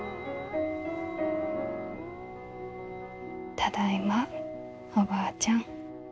ただいまおばあちゃん。